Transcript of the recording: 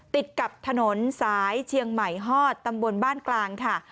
ติดกับถนนสายเชียงใหม่ฮอดตำบลบ้านกลางค่ะ